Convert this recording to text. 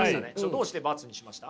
どうして×にしました？